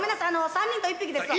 ３人と１匹ですわ。